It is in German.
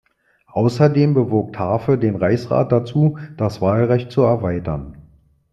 Außerdem bewog Taaffe den Reichsrat dazu, das Wahlrecht zu erweitern.